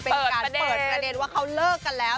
เป็นการเปิดประเด็นว่าเขาเลิกกันแล้ว